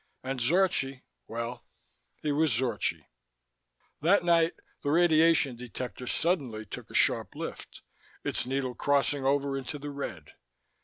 And Zorchi well, he was Zorchi. That night, the radiation detector suddenly took a sharp lift, its needle crossing over into the red.